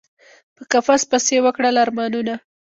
په قفس پسي یی وکړل ارمانونه